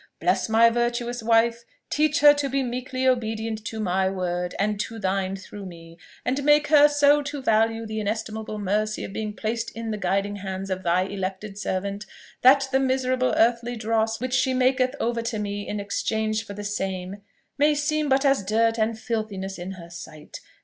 Bless my virtuous wife; teach her to be meekly obedient to my word, and to thine through me; and make her so to value the inestimable mercy of being placed in the guiding hands of thy elected servant, that the miserable earthly dross which she maketh over to me in exchange for the same may seem but as dirt and filthiness in her sight!